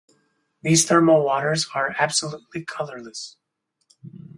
These thermal waters are absolutely colorless.